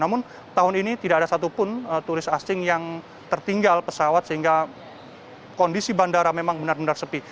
namun tahun ini tidak ada satupun turis asing yang tertinggal pesawat sehingga kondisi bandara memang benar benar sepi